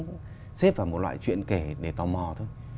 nó chỉ đáng kết vào một loại chuyện kể để tò mò thôi